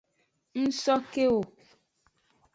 N so ke wo.